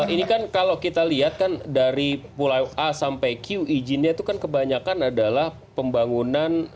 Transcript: ini kan kalau kita lihat kan dari mulai a sampai q izinnya itu kan kebanyakan adalah pembangunan